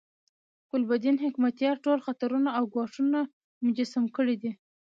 ګلبدین حکمتیار ټول خطرونه او ګواښونه مجسم کړي دي.